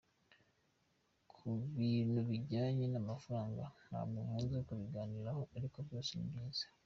Ku bintu bijyanye n’amafaranga ntabwo nkunze kubiganiraho ariko byose ni byiza.